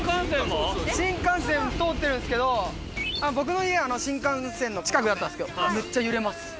新幹線通ってるんですけど僕の家新幹線の近くだったんですけど。わ。